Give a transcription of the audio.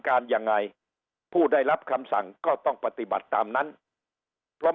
การยังไงผู้ได้รับคำสั่งก็ต้องปฏิบัติตามนั้นเพราะ